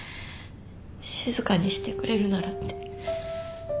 静かにしてくれるならって。